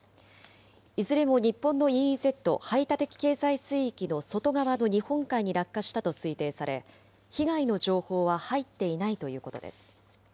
いずれも日本のＥＥＺ・排他的経済水域の外側の日本海に落下したと推定され、被害の情報は入っていないということです。